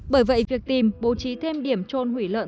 bởi vậy việc tìm bố trí thêm điểm trôn hủy lợn